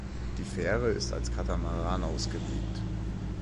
Die Fähre ist als Katamaran ausgelegt.